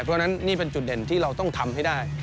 เพราะฉะนั้นนี่เป็นจุดเด่นที่เราต้องทำให้ได้